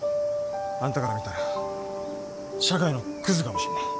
あんたから見たら社会のクズかもしれない。